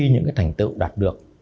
những cái thành tựu đạt được